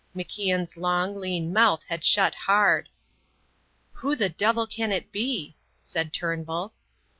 MacIan's long, lean mouth had shut hard. "Who the devil can that be?" said Turnbull.